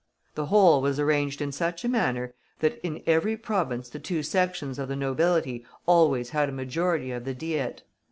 The whole was arranged in such a manner that in every province the two sections of the nobility always had a majority of the Diet.